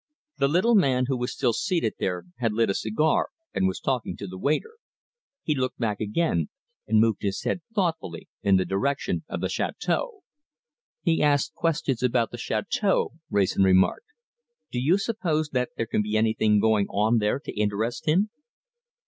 The little man, who was still seated there, had lit a cigar and was talking to the waiter. He looked back again and moved his head thoughtfully in the direction of the château. "He asked questions about the château," Wrayson remarked. "Do you suppose that there can be anything going on there to interest him?"